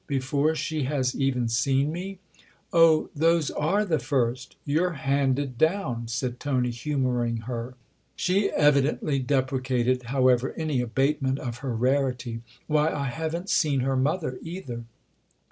" Before she has even seen me !"" Oh, those are the first. You're ' handed down,'" said Tony, humouring her. She evidently deprecated, however, any abate ment of her rarity. "Why, I haven't seen her mother, either."